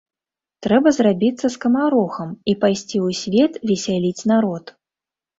Трэба зрабіцца скамарохамі і пайсці ў свет весяліць народ.